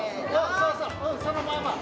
そうそう、そのまま、うん。